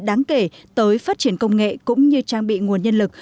đáng kể tới phát triển công nghệ cũng như trang bị nguồn nhân lực